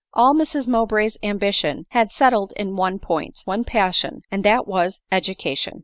All Mrs Mowbray's ambition had settled in one point, one passion, and that was, Education.